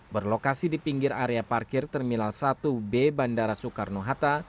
berlokasi di pinggir area parkir terminal satu b bandara soekarno hatta